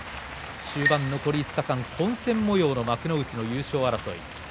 終盤残り５日間混戦もようの幕内の優勝争いです。